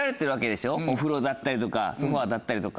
お風呂だったりとかソファだったりとか。